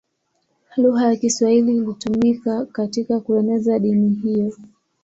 Lugha ya Kiswahili ilitumika katika kueneza dini hiyo.